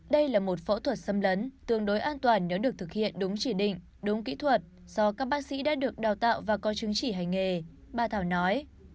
đây là một phẫu thuật xâm lấn tương đối an toàn nếu được thực hiện đúng chỉ định đúng kỹ thuật do các bác sĩ đã được đào tạo và có chứng chỉ hành nghề bà thảo nói